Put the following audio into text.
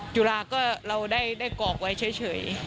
จุฬาก็เราได้กรอกไว้เฉย